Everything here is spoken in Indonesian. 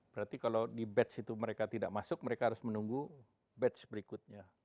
berarti kalau di batch itu mereka tidak masuk mereka harus menunggu batch berikutnya